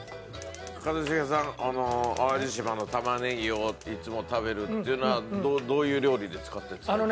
一茂さんあの淡路島の玉ねぎをいつも食べるっていうのはどういう料理で使ってるんですか？